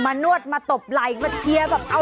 มานวดมาตบไหล่มาเชียร์